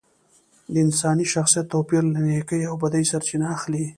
د انساني شخصیت توپیر له نیکۍ او بدۍ سرچینه اخلي